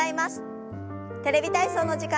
「テレビ体操」の時間です。